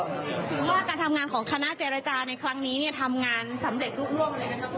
ถือว่าการทำงานของคณะเจรจาในครั้งนี้เนี่ยทำงานสำเร็จลุกล่วงเลยไหมครับ